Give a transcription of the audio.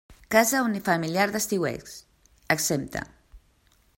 Casa unifamiliar d'estiueig, exempta.